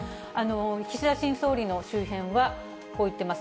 岸田新総理の周辺はこう言ってます。